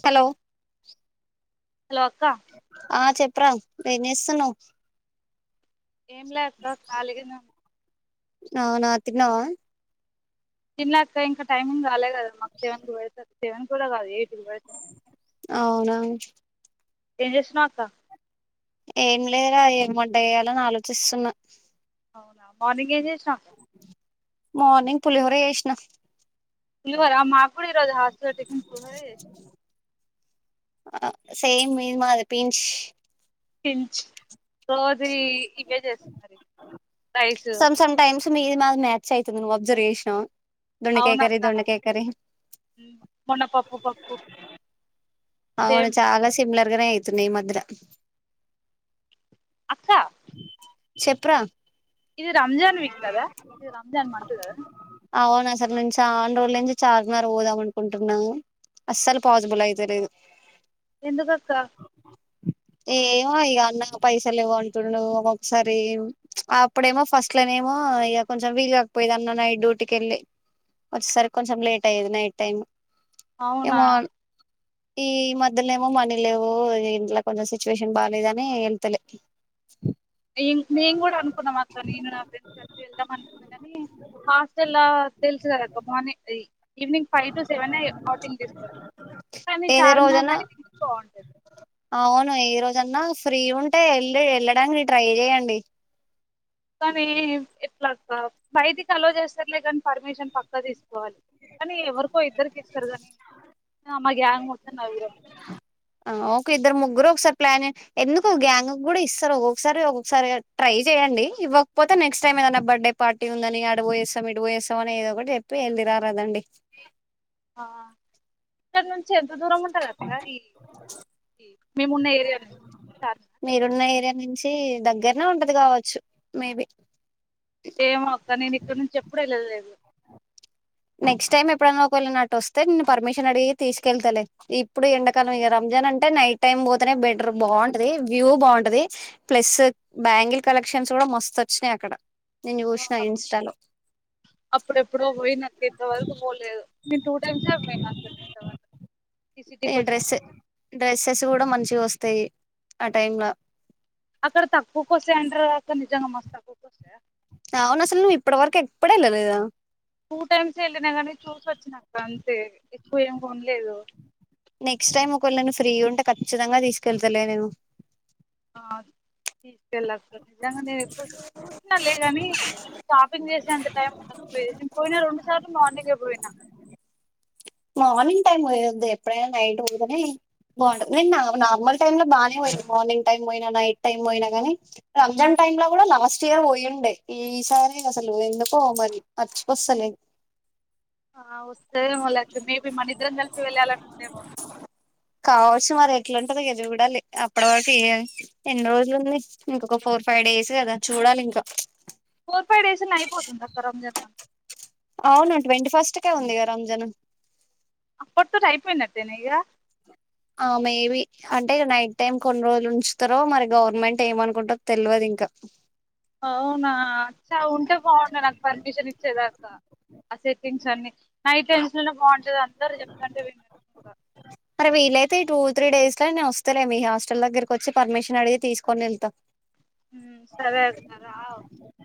Hello hello అక్కా చెప్ర ఎంచేస్తున్నావ్ ఏం లేదు అక్క కలిగనేఉన్న అవునా తిన్నావా చిన్నాక ఇంకా టైమింగ్ రాలేదు మ వంద వతది సెవెన్ కూడా కాదు ఎయిట్ కి పెడతారు అవునాను ఏం చేస్తున్నావ్ అక్క ఏం లేరా ఏం వంటగేయాల అని ఆలోచిస్తున్నా అవునా మార్నింగ్ ఏజ చే చెప్ప మార్నింగ్ పులిహోర ఏష్ణ ఇలువరా మా ఇప్పుడు రోజు హాస్పిటల్టికి పహస్తంది ఆ సేమ్ మీన్మా అద పీం ఇంచ రోజు ఇవే చేస్తున్నారురి రైస్ ససం టైమ్ ం మీది మా మ్యాచ్ అవుతుంది నువ్ అబ్సర్వేషన్ అవునాక్క మొన్న పప్పు పప్పు పొ అవును చాలా సిమ్లర్ గనే అయితున్నాయి మద్ర అక్క చెప్రా ఇది రంజాన్ వీక్ కదా ఇది రంజాన్ మంత్ కదా అవును అసలు నేను చాను రోజుల నుంచి చార్మినార్ పోదాం అనుకుంటున్నాము అస్సలు పాసిబుల్ అయితలేదు ఎందుకక్క ఏమో ఇక అన్న పైసలేవు అంటుండు ఒక్కొకసారి అప్పుడేమో ఫస్ట్ లోనేమో ఇక కొంచెం వీలు కాకపోయది అన్న నైట్ డ్యూటీకి ఎళ్ళి వచ్చేసారి కొంచెం లేట్ అయ్యేది నైట్ టైమ్ అవునా ఈ ఈ మధ్యలో ఏమో మనీ లేవు ఇంట్లో కొంచెం సిచ్యువేషన్ బాలేదని వెళ్తలే ఇ మేము కూడా అనుకున్నాం అక్ నేను నా ఫ్రెండ్ కలిసి వెళ్దాం అనుకున్న కాని హాస్టల్ తెలుసు కదక్క మార్ని అ evening five to seven outing తీస్తారు కానీ ఏదే చార్మినార్ రోజన్నా నైట్ టైమ్ బాగుంటది అవును ఏ రోజన్నా ఫ్రీ ఉంటే వెళ్ళ వెళ్ళడానికి ట్రై చేయండి కానీ ఎట్లాక్క బయటికి అలో చేస్తారులే కానీ పర్మిషన్ పక్కా తీసుకోవాలి కానీ ఎవరికో ఇద్దరికి ఇస్తారు కాని మాక్ గ్యాంగ్ వచ్చ నగుర ఓకే ఇద్దరు ముగ్గురు ఒకసారి ప్లాన్ ఎందుకు గ్యాంగ్ కూడా ఇస్తారు ఒక్కొక్కసారి ఒక్కొక్కసారి ట్రై చెయ్యడి ఇవ్వకపోతే నెక్స్ట్ టైమ్ ఏదనా బర్త్డే పార్టీ ఉందని అడ పోయేస్తాం ఇడి పోయేస్తాం అని ఏదో ఒకటి చెప్పి ఎల్లి రారదండి ఇక్కడి నుంచి చి ఎంత దూరం ఉంటదక్క ఈ మేమున్న ఏరియా నుంచి చార్ మీరున్న ఏరియా నుంచి దగ్గరనే ఉంటది కావచ్చు మేబి ఏమో అక్క నేను ఇక్కడ నుంచి ఎప్పుడూ వెళ్ళలేదు నెక్స్ట్ టైం ఎప్పుడైనా ఒక వేళ నేనటు వస్తే నేను పర్మిషన్ అడిగి తీసుకెళ్తాలే ఇప్పుడు ఎండ కాలం ఇ రంజాన్ అంటే నైట్ టైం పోతే బెటర్ బాగుంటది వ్యూ బాగుంటది ప్లస్ బ్యాంగిల్ కలెక్షన్స్ కూడా మస్తు వచ్చాయి అక్కడ నేను ఆ చూసిన ఇన్స్టాలో అప్పుడు ఎప్పుడో పోయిన ఇంత వరకు పోలేదు నేను టూ టైమ్స్ ఏ పోయినా అసలు ఇంతవరకు ఏ టీసీటీకి వచ్చిన డ్రెస్ కాంచి డ్రెస్సెస్ కూడా మంచిగొస్తాయి ఆ టైంలా అక్కడ తక్కువ కొస్తాయి అంటారు కదక్క నిజంగా మస్తు తక్కువకొస్తాయా అవును అసలు నువ్వు ఇప్పటి వరకు ఎప్పుడెల్లలేదా టూ టైమ్స్ వెళ్ళినా కాగానీ చూసి వచ్చినాక్క అన్ టే ఎక్కువ ఏం కొనలేదు నెక్స్ట్ టైమ్ ఒకేళ నేను ఫ్రీ ఉంటే ఖచ్చితంగా తీసుకెళ్తాలే నేను ఆ తెస్కెలక్క నిజంగా నేను ఎప్పుడు చూసినా లే ని షాపింగ్ చేస్త ఎంత టైం ఉండకపోయి నేను పోయినా రెండు సార్లు మార్నింగే పోయినా మార్నింగ్ టైం పోయద్ది ఎప్పుడైనా నైట్ పోదుని బాగుంటది నా నార్మల్ టైమ్ లో బాగానే పోయిదు మార్నింగ్ టైం పోయినా నైట్ టైం పోయినా కాని రంజాన్ టైమ్ లో కూడా లాస్ట్ ఇయర్ పోయిండే ఈ సారి అసలు ఎందుకో మరి మర్చికోస్తలేదు ఆ వస్తాదేమోలే ఇ మేబీ మననిద్దరం కలిసి వెళ్ళాలని ఉందేమో కావచ్చు మరి ఎట్లాంటది ఇ చూడాలి అప్పటి వరకు ఎన్ని రోజులు ఉంది ఇంకొక ఫోర్ ఫైవ్ డేస్ కదా చూడాలి ఇంకా ఫోర్ ఫైవ్ డేస్ని అయిపోతుంది అక్క రమజాన్ అవును ట్వంటీ ఫస్ట్ కే ఉందిగా రంజాన్ అప్పటి తో అయిపోయినట్టేనా ఇగ ఆ మేబి అంటే నైట్ టైం కొన్ని రోజులు ఉంచుతారో మరి గవర్నమెంట్ ఏమనుకుంటారో తెలువదు ఇంకా అవునా చ ఉంటే బాగుండు నాకు పర్మిషన్ ఇచ్చేదాకా ఆ సెట్టింగ్స్ అన్ని నైట్ లలో బాగుంటది అందరు చెప్తంటే వి కూడా మరి వీలైతే ఈ టూ త్రీ డేస్ లో నేను వస్తాలే మీ హాస్టల్ దగ్గరకి వచ్చి పర్మిషన్ అడిగి తీసుకొని వెళ్తా ఉమ్ సరే అక్కా రా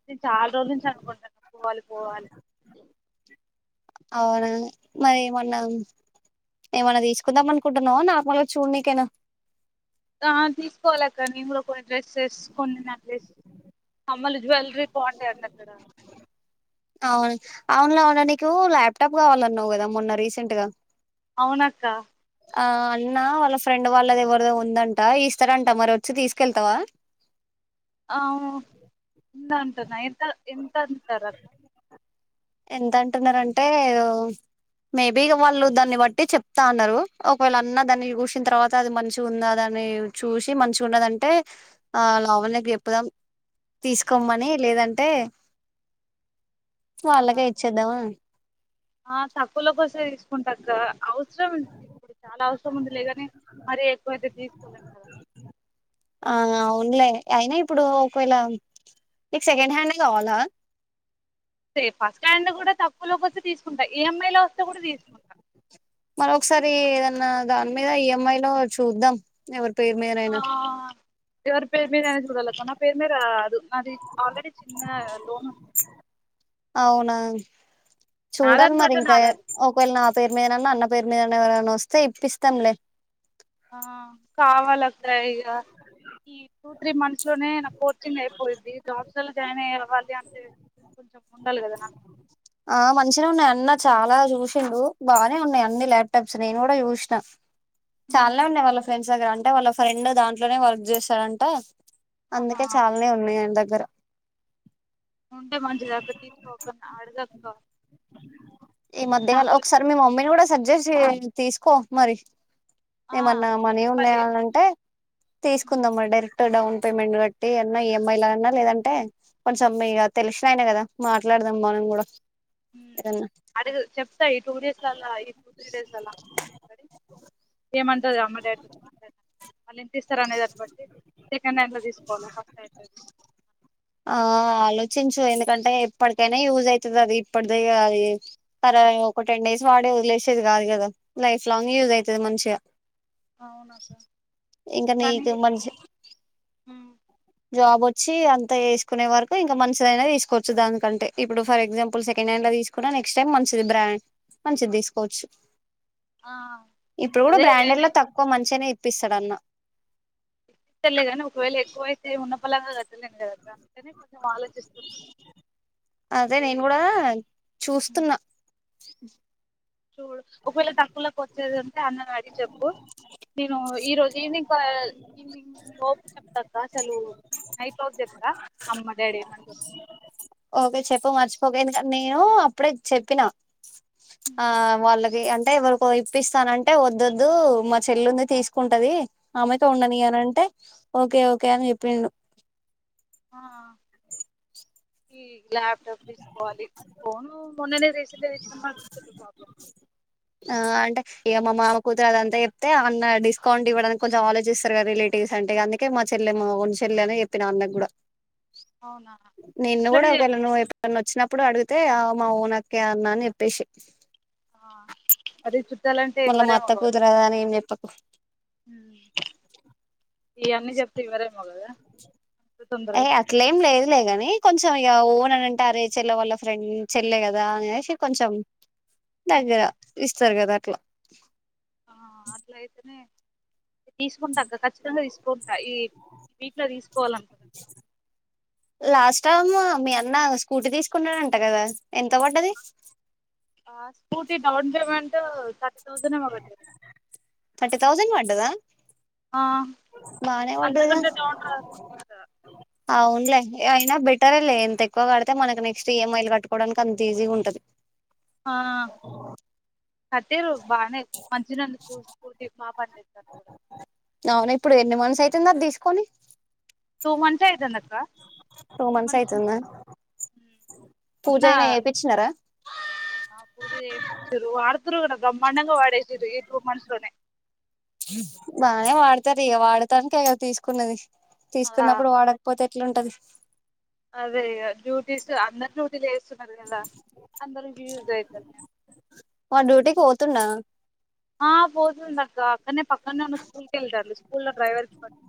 నేను చాలా రోజుల నుంచి అనుకుంటున్నా పోవాలి పోవాలి అవునా మరి ఏమన్నా ఏమన్నా తీసుకుందాం అనుకుంటున్నావా నార్మల్ గా చూడనీకేనా ఆ తీసుకోవాలక్క నేను కూడా కొని డ్రస్ సెస్ కొన్ని నక్లేస్ కమ్మలు జ్యవెలరీ బాగుంటాయి అక్క అక్కడ అవును అవును లావణ్య నీకు ల్యాప్టాప్ కావాలన్నావు కదా మొన్న రీసెంట్ గా అవునక్క ఆ అన్నా వాళ్ళ ఫ్రెండ్ వాళ్ళది ఎవరిదో ఉందంట ఇస్తారంట మరి వచ్చి తీసుకెళ్తావా అవు ఉందా అంటన ఎంత ఎంత అంటారక్క ఎంత అంటున్నారంటే మేబి వాళ్ళు దాన్ని బట్టి చెప్తా అన్నారు ఒకవేళ అన్న దాన్ని చూసిన తర్వాత అది మంచిగా ఉందదని చూసి మంచిగా ఉన్నదంటే ఆ లావణ్యకి చెప్పుదాం తీసుకోమ్మని లేదన్ టె ఆ వాళ్ళకె ఇచ్చేద్దామా ఆ తక్కువలొకొస్సె తీస్ ఉంటక్క అవసరం ఇప్పుడు చాలా అవసరం ఉంది లేగాని మరీ ఎక్కువైతే తీసుకోలేం కద ఆ అవున్లే అయినా ఇప్పుడు ఒకవేళ నీకు సెకండ్ హ్యాండే కావాలా సె ఫస్టాండ్ కూడా తక్కువులోకి ఒస్ తీసుకుంట ఈఎంఐలో వస్తె కూడా తీసుకుంట మరొక్సారి ఏదన్నా దాని మీద ఈఎంఐ లో చూద్దాం ఎవర్ పేర్మీదనైనా ఎవరి పేరు మీదనైన చూడాలక్క నా పేరు మీద రాదు నాది ఆల్రెడీ చిన్నా లోన్ ఉంది అవునా నా చూడాల్ దాంట్లో మరి అంటే నా ఇంకా దాంట్లో ఒకవేళ్ నాపేర్ మీదనన్న అన్న పేరు మీదనా ఎవరైనా వస్తే ఇప్పిస్తాన్లే ఆ కావాలి అక్కా ఇగ ఈ టూ త్రీ మంత్స్ లోనే నాకు కోచింగ్ అయిపోయిద్ది జాబ్స్ల జాయిన్ అయ్యేవళ్ళి అంటే కొంచెం ఉండాలి కదా నాకు ఆ మంచినె ఉన్నాయి అన్న చాలా చూసిండు బానే ఉన్నాయి అన్ని ల్యాప్టప్స్ నేను గుడ చూస్నా చాల్నె ఉమ్, ఉన్నాయ్ వాళ్ళ ఫ్రెండ్స్ గర అంటె వాళ్ళ ఫైండ్ దాంట్లోనే వర్క్ చేశాడంట ఆహా అందుకే చాల్నే ఉన్నాయండ గర ఉంటే మంచిదేక తీసుకోకుండా అడుగక్క ఈ మధ్యల ఒక్సర్ మీ మమ్మిన్ గుడ సజ్ తీస్కొ మరి ఆ ఏమన్నా మని చెప్పాలి ఉన్నాయాలంటే ఉమ్, తీసుకుందామా డైరెక్ డౌన్ పేమెంట్ కట్టి అన్నా ఈఎంఐ లనన్నా లేదంటే కొంచెం ఇగ తెలిసినాయిన కదా మాట్లాడదాం మనం కూడా ఉమ్. ఎదన్న అడుగు చెప్త ఈ టూ డేస్ లల్లా ఈ త్రీ డేస్ లల్లా అమ్మ మాట్లాడి ఏమంటది అమ్మ డాడితొ మాట్లాడి వాళ్ళు ఎంతిస్తర్ అనే దాన్ని బట్టి సెకండ్ హ్యాండ్లో తీసుకోవాల ఫస్ట్ హ్యాడ్లో తీసుకోవాల చించు ఎందుకంటే ఎప్పటికైనా యూజ్ ఐతది అది ఇప్పటిదేగ అది సర ఒక టెన్ డేస్ వాడి ఒదిలేసేది కాదు కదా లైఫ్ లాంగ్ యూజ్ ఐతది మంచిగ అవునక్క కానీ నీకు మంచి ఉమ్, జాబ్ వచ్చి అంత ఏసుకునే వరకు ఇంకా మంచిదయినా తీసుకోవచ్చు దానికంటే ఇప్పుడు ఫర్ ఎగ్జాంపుల్ సెకండ్ హ్యాండ్ తీసుకున్న నెక్స్ట్ టైమ్ మంచిది బ్రాండ్ మంచిది తీసుకోవచ్చు ఆ ఇప్పుడు గడ అదే బ్రాండెడ్ లేని ల తక్కువ మంచిగనే పిస్సడన్నా ఇస్తడ్లేగాని ఒకవేళ ఎక్కువ అయితే ఉన్న పలంగ కాడ్త ఉంకదక్క వెంటనే కొంచెం ఆలోచిస్తున్నా అదే అంటే నేను కూడా చూస్తున్నా చూడు ఒకవేళ తక్కులోకి వచ్చేదిటే అన్న అడి చెప్ నేను ఈ రోజు ఈవినింగు ఈనింగ్ ఓ చెప్తాక్క అస్సలు నైట్ ఔట్ చేస్తా అమ్మ డాడి ఏమంటారోఅని ఓకే చెప్పు మర్చిపోకు ఎందుక నేను అప్పుడే చెప్పినా ఆ వాళ్ళగే అంటే ఎవరికో ఇప్పిస్తానంటే వద్దొద్దు మా చెల్లుంది తీసుకుంటది ఆమెతో ఉండనీయ అంటే ఓకే ఓకే అని చెప్పిండు ఆ ఈ ల్యాప్టాప్ తీసుకోవాలి ఫోను మొన్ననే రీసెంట్గా తీచ్చినం మాత్ర పెద్ద ప్రాబ్లమ్ం ఆ అంటే ఇక మా మామ కూతురు అదంతా చెప్తే అన్న డిస్కౌంట్ ఇవ్వడానికి కొంచెం ఆలోచిస్తారు కదా రిలేటివ్స్ అంటే అందుకే మా చెల్లి మా మోగన్ చెల్లె అని చెప్పిన ఆ అన్నకు గూడా అవునా నిన్న అట్లనే గూడా ఒకవేళ నువ్వు ఎప్పుడన్న వచ్చిన ఇప్పుడు అడిగితే ఆ మా ఓన్ అక్కే అన్నా అని చెప్పేసి ఆ అదే చ్ మళ్ళా మా అత్త కూతురు గదా అని ఏం చెప్పకు ఈయన్ని చెప్తే ఇవ్వరు మవుగదా అయ్ అట్లేం లేదు లే గాని కొంచెం ఇక ఓన్ అని అంటారే చెల్ల వాళ్ళ ఫ్రెండ్ చెల్లె గదా అనేసి కొంచెం దగ్గర ఉమ్. ఇస్ స్టర్ గదా అట్లా ఆ అట్ల అయితెనే తీసుకుంట ఆ అక్క ఖచ్చితంగా తీసుకుంటా ఈ వీక్లో తీసుకోవాలన్ ఇస్తమ్మా మీ అన్న స్కూటీ తీసుకున్నడంట గదా ఎంత పడ్డది ఆ స్కూటీ డౌన్ పేమెంటు అంటే తౌసండ్ డదా ఆ పడ్డదిగా అంతకంటే డౌన్ అవునులే అయినా బెటరేలే ఎంత ఎక్కువ కడితే మన నెక్స్ట్ ఈఎంఐలు కట్టుకోవడానికి అంత ఈజీగ ఉంటది ఆ కట్టిర్రు బాగనే మంచి నన్ను స్కూల్ స్కూటీ బా పని చేస్తరు కూడా చిన్నది తీసుకొని టూ మంత్ అవుతుంది అక్క టూ మంత్స్ అయితుందా పూజ మొన్న అయి చేపించ్చినరా ఆ పూజ చేపిచ్చురు వాడుతుర్ కదా బ్రహ్మాండంగా వాడేసారు ఈ టూ మంత్స్ లోనే బాగానే వాడతారు ఇక వాడతానికె కదా తీసుకున్నది ఆ తీసుకున్నప్పుడు వాడకపోతే ఎట్లుంటది అదే ఇగ డ్యూటీీస్ అందరి వీళ్ళు చేస్తున్నారు కదా అందరికి యూస్ అయిత తున్నా ఆ పోతుంది అక్క అక్కనే పక్కనే ఉన్న స్కూల్ కి వెళ్తారు స్కూల్ లో డ్రైవర్ కట్టి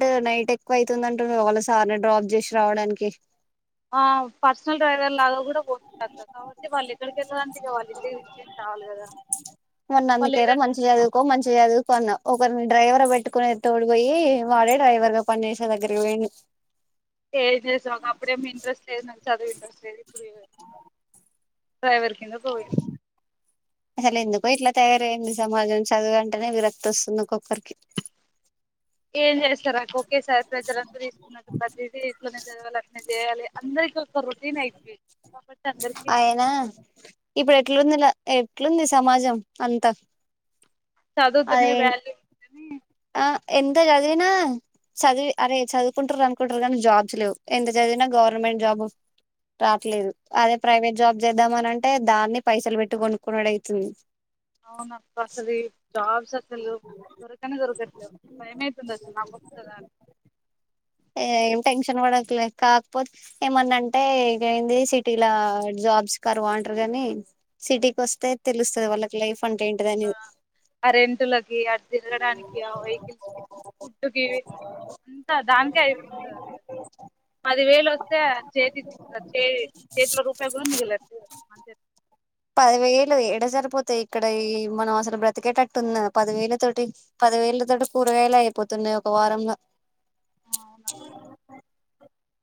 ట్ నైట్ ఎక్కువ అవుతుందింటుడు వాళ్ళ సార్ని డ్రాప్ చేసి రావడానికి ఆ పర్సనల్ డ్రైవర్ లాగా కూడా పోతుండు అక్క కాబట్టి వాళ్ళు ఇద్దరికీ వెళ్ళడానికి వాళ్ళి ఇంటికి వెళ్లి రావాలి కదా మొన్న వాళ్ళు అందుకేరా ఎటంటే మంచి చదువుకో మంచి చదువుకో అన్న ఓక్ రిని డ్రైవర్ పెట్టుకునే తోడి పోయి వాడే డ్రైవర్ గా పనిసే దగ్గరికి పోయిండు ఏది చేసిన ఒక అప్పుడేమి ఇంట్రెస్ట్ లేదు నాకు చదువు ఇంట్రెస్ట్ లేదు డ్రైవర్ కింద పోయిండు అసలు ఎందుకో ఇట్లా తయారయ్యిండు సమాజం చదువంటనే విరక్తి వస్తుంది ఒక్కొక్కరికి ఏం చేస్తారు అక్క ఒక్కే సారి ప్రజలందరూ తీసుకున్న ప్రతిదీ ఇట్లోనే చదవాల అంటే చేయాలి అందరి ఓక్ అయనా నచ్చకుండా ఇప్పుడు ఎట్లాందిలా ఎట్లుంది సమాజం అంతా చదువుతనే అదే వాల్యూ అని ఆ ఎంత చదివినా చదివి అరే చదువుకుంటారు అనుకుంటారు కానీ జాబ్స్ లేవు ఎంత చదివినా గవర్నమెంట్ జాబ్ రావట్లేదు అదే ప్రైవేట్ జాబ్ చేద్దామని అంటే దాన్ని పైసలు పెట్టి కొనుక్కున్నడు అయితుంది అవునా అసలే జాబ్స్ అసలు దొరకనే దొరకట్లేవు భయమావు తుంది అసలు నాకొస్తదా ఏం టెన్షన్ పడకలే కాకపోతే ఏమన్నా అంటే ఏంది సిటీల జాబ్స్ కరువా అంటారు కాని సిటీకి వస్తే తెలుస్తుంది వాళ్ళకి లైఫ్ అంటే ఏంటిదని ఆ కరెంటులకి అ తిరగడానికి ఆ వెహికల్స్ కి ఫుడ్డు కి అంతా దానికే అయిపోతుంది అసలు పది వేలు వస్తే చేతి చే చేతిల రూపాయి కూడా మిగిలదు మంత్ ఎండ్ ఇలా వేడ సరిపోతాయి ఇక్కడ ఈ మనం అసలు బ్రతకేటట్టు ఉంద పదివేల తోటి పదివేల తోటి కూరగాయలు అయిపోతున్నాయి ఒక వారంల అవునక్క అ